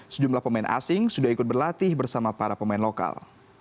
sejumlah pemain asing sudah ikut berlatih bersama para pemain lokal